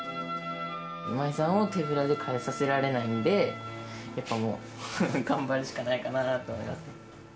今井さんを手ぶらで帰させられないんで、やっぱもう、頑張るしかないかなと思います。